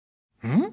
ん？